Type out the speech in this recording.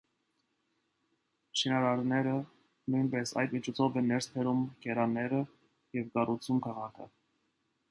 Շինարարները նույնպես այդ միջոցով են ներս բերում գերանները և կառուցում քաղաքը։